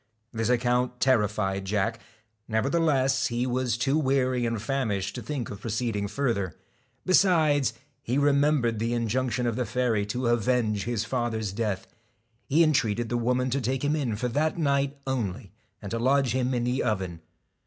This account terrified Jack ; nevertheless, he was too weary and famished to think of proceeding farther ; besides, he remembered the injunction of the fairy to avenge his father's death. He en treated the woman to take him in for that night only, and to lodge him in the oven.